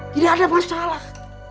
tidak ada masalah